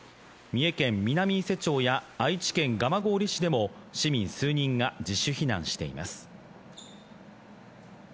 三重県南伊勢町や愛知県蒲郡市でも市民数人が自主避難しています